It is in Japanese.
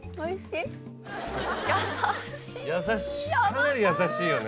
かなりやさしいよね。